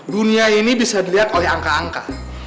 dunia ini bisa dilihat oleh angka angka